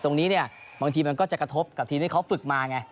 ตรงนี้เนี่ยบางทีมันก็จะกระทบกับทีมที่เขาฝึกมาไง